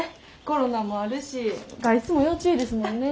コロナもあるし外出も要注意ですもんね。